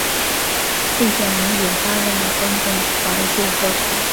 费翔引发了观众怀旧热潮。